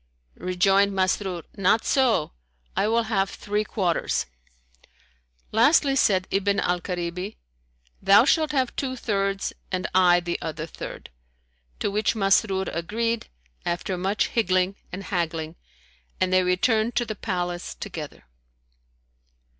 Rejoined Masrur, "Not so, I will have three quarters." Lastly said Ibn al Karibi, "Thou shalt have two thirds and I the other third;" to which Masrur agreed, after much higgling and haggling, and they returned to the palace together.